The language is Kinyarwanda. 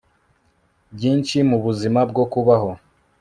byinshi mubuzima bwo kubaho